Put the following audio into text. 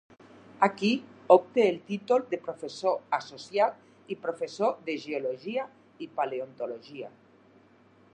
Aquí obté el títol de professor associat i professor de geologia i paleontologia.